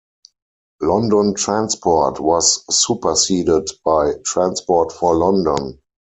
London Transport was superseded by Transport for London.